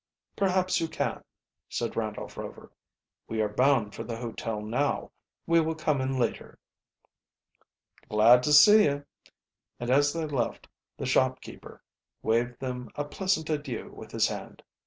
"Perhaps you can," said Randolph Rover. "We are bound for the hotel now. We will come in later." "Glad to see you," and as they left the shopkeeper waved them a pleasant adieu with his hand.